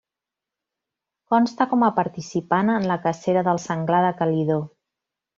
Consta com a participant en la cacera del senglar de Calidó.